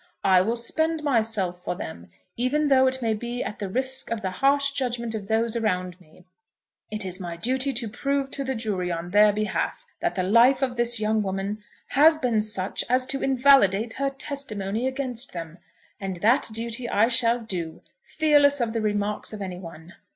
I will spend myself for them, even though it may be at the risk of the harsh judgment of those around me. It is my duty to prove to the jury on their behalf that the life of this young woman has been such as to invalidate her testimony against them; and that duty I shall do, fearless of the remarks of any one.